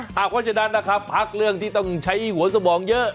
เพราะฉะนั้นนะครับพักเรื่องที่ต้องใช้หัวสมองเยอะ